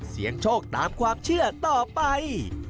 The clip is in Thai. เสียงโชคตามความเชื่อต่อไป